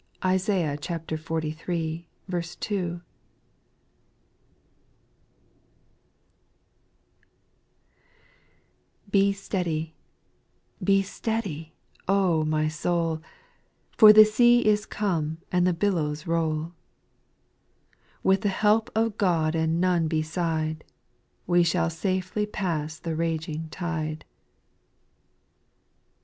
Imiah xliii. 2. 1. TIE steady, be steady, oh I my soul, JD For the sea is come and the billows roll With the help of God and none beside, We shall safely pass the raging tide.